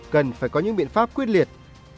cần phải có những biện pháp quyết liệt